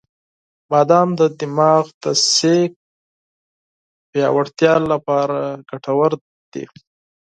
• بادام د دماغ د انرژی پیاوړتیا لپاره ګټور دی.